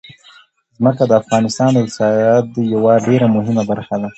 ځمکه د افغانستان د اقتصاد یوه ډېره مهمه برخه ده.